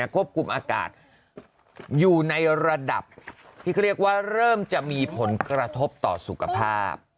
ควบคุมอากาศอยู่ในระดับเริ่มจะมีผลกระทบต่อสุขภาพ